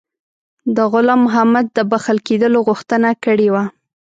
د غلام محمد د بخښل کېدلو غوښتنه کړې وه.